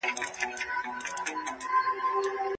موږ به د علمي پرمختګ شاهدان اوسو.